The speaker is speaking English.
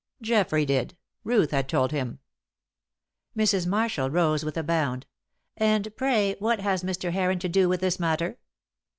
"Geoffrey did: Ruth had told him." Mrs. Marshall rose with a bound. "And pray what has Mr. Heron to do with this matter?"